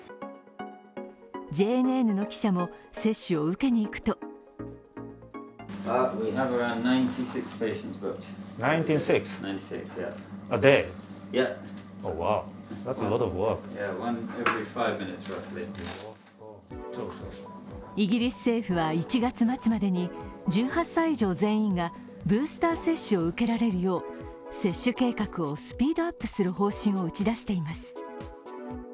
ＪＮＮの記者も接種を受けにいくとイギリス政府は１月末までに１８歳以上全員がブースター接種を受けられるよう接種計画をスピードアップする方針を打ち出しています。